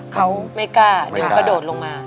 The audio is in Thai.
เขาไม่กล้าเดี๋ยวกระโดดลงมา